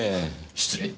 失礼。